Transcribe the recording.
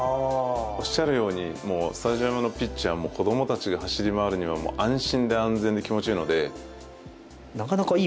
おっしゃるようにスタジアムのピッチは子供たちが走り回るのは安心で安全で気持ちいいので。